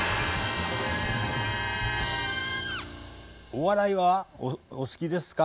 お笑いはお好きですか？